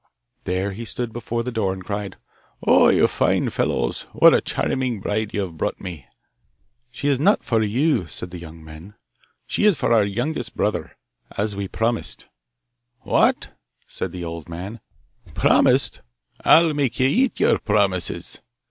There he stood before the door, and cried: 'Oh! you fine fellows, what a charming bride you have brought me!' 'She is not for you, said the young men. 'She is for our youngest brother, as we promised.' 'What!' said the old man, 'promised! I'll make you eat your promises!